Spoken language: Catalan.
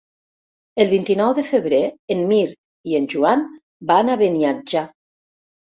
El vint-i-nou de febrer en Mirt i en Joan van a Beniatjar.